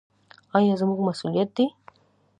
دا زموږ مسوولیت دی.